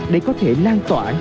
để có thể lan tỏa